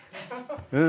うん。